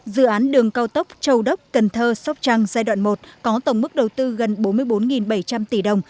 dự án đường cao tốc châu đốc cần thơ sóc trăng giai đoạn một có tổng mức đầu tư gần bốn mươi bốn bảy trăm linh tỷ đồng